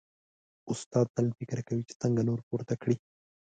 استاد تل فکر کوي چې څنګه نور پورته کړي.